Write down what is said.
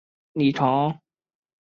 李朝隐改调任岐州刺史。